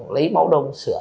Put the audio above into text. lấy máu đông sửa